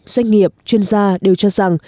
doanh nghiệp chuyên gia đều cho rằng